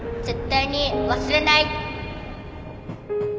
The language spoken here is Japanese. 絶対に忘れない